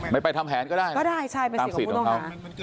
ไม่ไปทำแผนก็ได้ก็ได้ใช่เป็นสิทธิ์ของผู้ต้องหา